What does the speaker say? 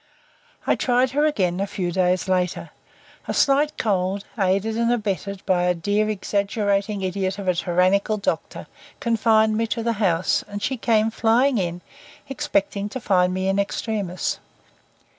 I tried her again a few days later. A slight cold, aided and abetted by a dear exaggerating idiot of a tyrannical doctor, confined me to the house and she came flying in, expecting to find me in extremis.